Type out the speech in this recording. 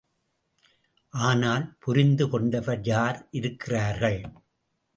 ஆனால் புரிந்து கொண்டவர் யார் இருக்கிறார்கள்?